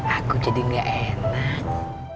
aku jadi gak enak